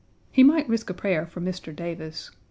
He might risk a prayer for Mr. Davis.